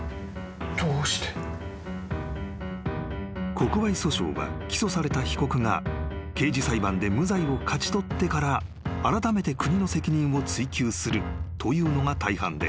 ［国賠訴訟は起訴された被告が刑事裁判で無罪を勝ち取ってからあらためて国の責任を追及するというのが大半である］